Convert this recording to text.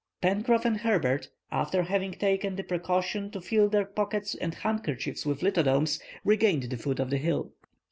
Pencroff and Herbert, after having taken the precaution to fill their pockets and handkerchiefs with lithodomes, regained the foot of the hill.